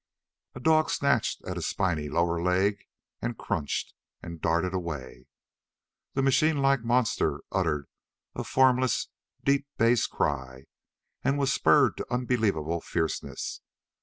A dog snatched at a spiny lower leg and crunched, and darted away. The machine like monster uttered a formless, deep bass cry and was spurred to unbelievable fierceness.